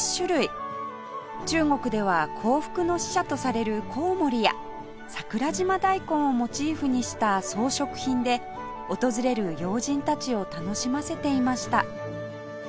中国では幸福の使者とされるコウモリや桜島大根をモチーフにした装飾品で訪れる要人たちを楽しませていました